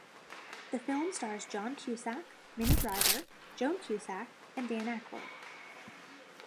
The film stars John Cusack, Minnie Driver, Joan Cusack, and Dan Aykroyd.